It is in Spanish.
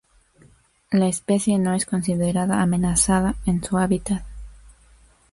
La especie no es considerada amenazada en su hábitat.